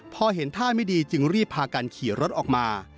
พอเห็นท่าไม่ดีจึงรีบพากันขี่รถออกมา